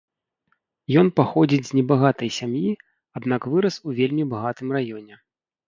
Ён паходзіць з небагатай сям'і, аднак вырас у вельмі багатым раёне.